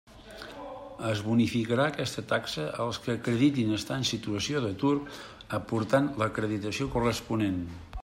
Es bonificarà aquesta taxa, als que acreditin estar en situació d'atur, aportant l'acreditació corresponent.